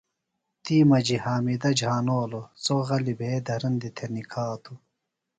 تی مجیۡ حامدہ جھانولوۡ سوۡ غلیۡ بھےۡ دھرندیۡ تھےۡ نِکھاتوۡ۔